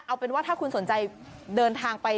เอาเป็นว่าถ้าคุณสนใจเดินทางไป